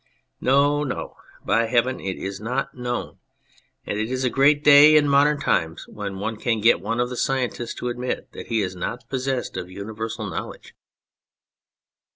No ! No, by heaven ! it is not known. And it is a great day in modern times when one can get one of the scientists to admit that he is not possessed of universal know ledge.